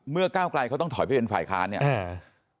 ก้าวไกลเขาต้องถอยไปเป็นฝ่ายค้านเนี่ยอ่า